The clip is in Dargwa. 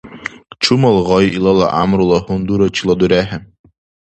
Чумал гъай илала гӀямрула гьундурачилара дурехӀе.